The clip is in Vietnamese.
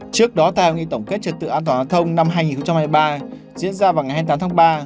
trước đó tại nghị tổng kết trật tự an toàn giao thông năm hai nghìn hai mươi ba diễn ra vào ngày hai mươi tám tháng ba